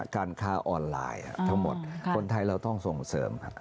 การค้าออนไลน์ทั้งหมดคนไทยเราต้องส่งเสริมครับ